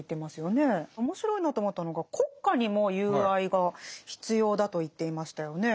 面白いなと思ったのが国家にも友愛が必要だと言っていましたよね。